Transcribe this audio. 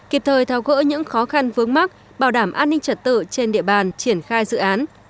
kịp thời thao gỡ những khó khăn vướng mắt bảo đảm an ninh trật tự trên địa bàn triển khai dự án